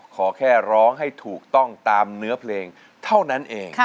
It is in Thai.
ขอแค่ร้องให้ถูกต้องตามเนื้อเพลงเท่านั้นเอง